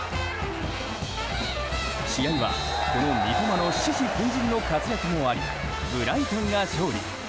試合は、この三笘の獅子奮迅の活躍もありブライトンが勝利。